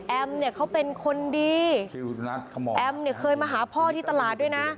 แอมเขาเป็นคนดีแอมเคยมาหาพ่อที่ตลาดด้วยนะ